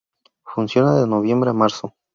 Funciona de noviembre a marzo.